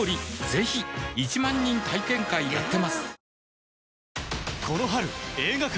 ぜひ１万人体験会やってますはぁ。